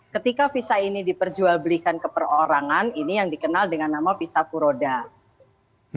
ketika visa ini diperjual belikan ke perorangan ini yang dikenal dengan nama visa furodai